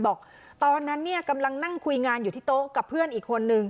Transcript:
บอกตอนนั้นเนี่ยกำลังนั่งคุยงานอยู่ที่โต๊ะกับเพื่อนอีกคนนึง